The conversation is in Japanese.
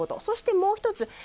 そして、もう１つ。